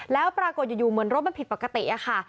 แล้วปรากฏอยู่เหมือนรถมันผิดปกติอะค่ะ